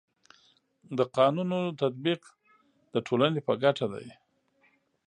د قانونو تطبیق د ټولني په ګټه دی.